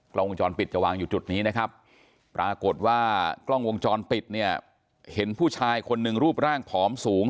กล้องวงจรปิดจะวางอยู่จุดนี้นะครับปรากฏว่ากล้องวงจรปิดเนี่ยเห็นผู้ชายคนหนึ่งรูปร่างผอมสูง